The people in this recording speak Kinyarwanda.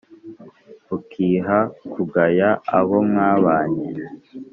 ukiha kugaya abo mwabanye